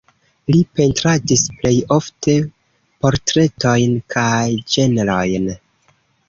Li pentradis plej ofte portretojn kaj ĝenrojn.